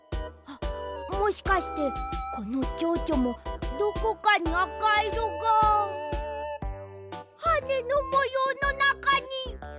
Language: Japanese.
あっもしかしてこのちょうちょもどこかにあかいろがはねのもようのなかに。